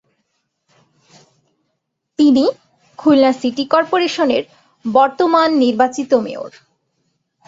তিনি খুলনা সিটি কর্পোরেশনের বর্তমান নির্বাচিত মেয়র।